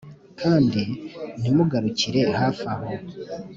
Kandi ntimugarukire hafi aho